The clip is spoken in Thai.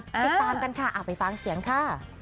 ติดตามกันค่ะไปฟังเสียงค่ะ